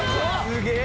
すげえ！